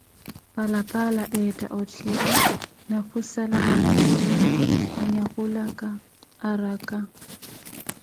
Palapaala eetta otthira na khusala akhuwela anyakulaka, araka.